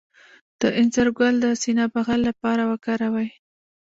د انځر ګل د سینه بغل لپاره وکاروئ